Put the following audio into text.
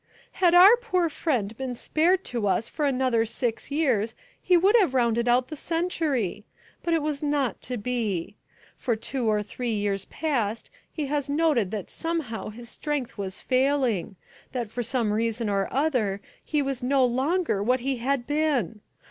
"Had our poor friend been spared to us for another six years he would have rounded out the century. But it was not to be. For two or three years past he has noted that somehow his strength was failing, that, for some reason or other, he was no longer what he had been.